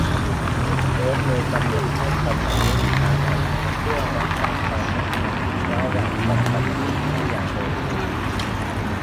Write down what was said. โค้ดเลยกำหนดให้คอมมันเล่นช้าหน่อย เพื่อรักษาความสัมพันธ์ระหว่างคอมกับมนุษย์ให้ยังโอเคอยู่